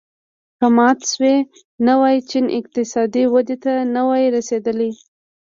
که مات شوی نه وای چین اقتصادي ودې ته نه وای رسېدلی.